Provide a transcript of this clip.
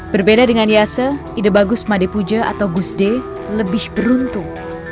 berbeda dengan yase ide bagus madepuja atau gusde lebih beruntung